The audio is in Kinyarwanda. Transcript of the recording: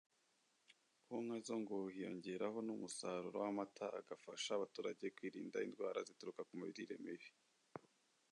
Ku nka zo ngo hiyongeraho n’umusaruro w’amata agafasha abaturage kwirinda indwara zituruka ku mirire mibi